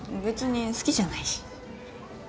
別に好きじゃないし。